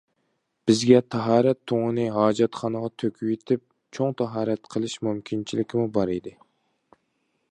بىزگە تاھارەت تۇڭىنى ھاجەتخانىغا تۆكۈۋېتىپ، چوڭ تاھارەت قىلىش مۇمكىنچىلىكىمۇ بار ئىدى.